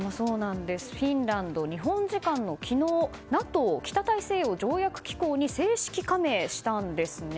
フィンランド、日本時間の昨日ＮＡＴＯ・北大西洋条約機構に正式加盟したんですね。